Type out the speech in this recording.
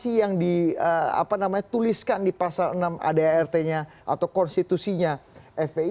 apa sih yang dituliskan di pasal enam adart nya atau konstitusinya fpi